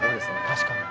確かに。